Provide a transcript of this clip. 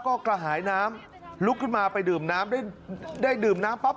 ก็กระหายน้ำลุกขึ้นมาไปดื่มน้ำได้ได้ดื่มน้ำปั๊บ